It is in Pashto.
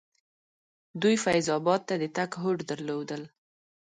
دوی فیض اباد ته د تګ هوډ درلودل.